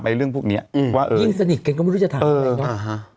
ในเรื่องพวกเนี้ยอืมว่ายิ่งสนิทกันก็ไม่รู้จะถามอะไรเอออ่าฮะ